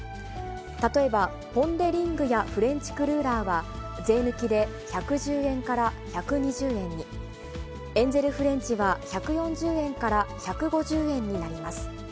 例えばポン・デ・リングやフレンチクルーラーは税抜きで１１０円から１２０円に、エンゼルフレンチは１４０円から１５０円になります。